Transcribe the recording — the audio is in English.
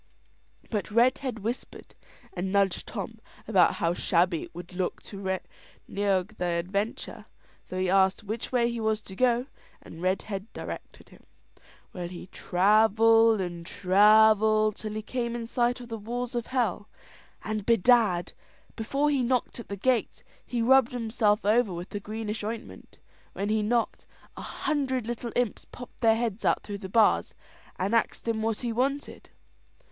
But Redhead whispered and nudged Tom about how shabby it would look to reneague the adventure. So he asked which way he was to go, and Redhead directed him. Well, he travelled and travelled, till he came in sight of the walls of hell; and, bedad, before he knocked at the gates, he rubbed himself over with the greenish ointment. When he knocked, a hundred little imps popped their heads out through the bars, and axed him what he wanted.